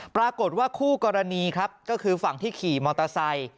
ปรากฏว่าคู่กรณีครับก็คือฝั่งที่ขี่มอเตอร์ไซค์